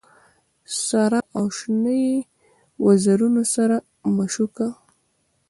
سره او شنه یې وزرونه سره مشوکه